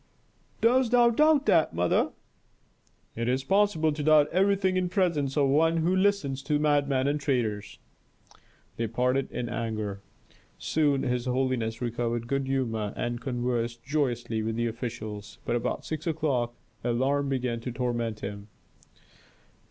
"Dost thou doubt that, mother?" "It is possible to doubt everything in presence of one who listens to madmen and traitors." They parted in anger. Soon his holiness recovered good humor and conversed joyously with the officials. But about six o'clock alarm began to torment him.